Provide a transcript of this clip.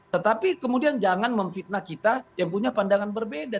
tetapi kemudian jangan memfitnah kita yang punya pandangan berbeda